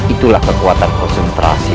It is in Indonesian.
itulah kekuatan konsentrasi